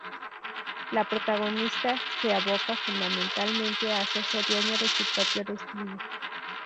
La protagonista se aboca, fundamentalmente, a hacerse dueña de su propio destino.